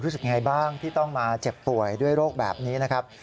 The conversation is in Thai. รู้สึกยังไงบ้างที่ต้องมาเจ็บป่วยด้วยโรคแบบนี้นะครับ